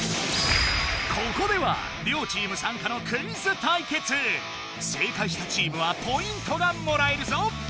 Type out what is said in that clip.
ここでは両チームさんかの正解したチームはポイントがもらえるぞ。